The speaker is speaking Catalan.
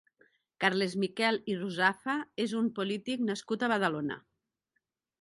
Carles Miquel i Ruzafa és un polític nascut a Badalona.